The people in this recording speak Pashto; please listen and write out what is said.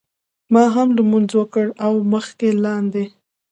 ما هم لمونځ وکړ او مخکې لاندې.